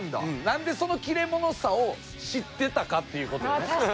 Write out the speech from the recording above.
なんでその切れ者さを知ってたかっていう事よね。